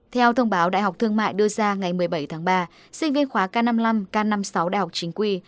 theo thông báo đại học thương mại đưa ra ngày một mươi bảy tháng ba sinh viên khóa k năm mươi năm k năm mươi sáu đại học chính quy